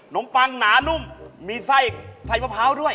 น้องปังหนานุ่มมีไส้พะพร้าวด้วย